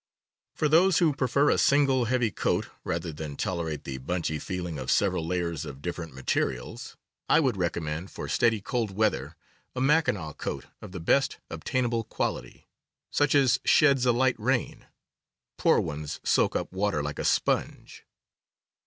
For those who prefer a single heavy coat, rather than tolerate the "bunchy" feeling of several layers of dif ferent materials, I would recommend, for steady cold weather, a Mackinaw coat of the best obtainable qual ity, such as sheds a light rain; poor ones soak up water like a sponge.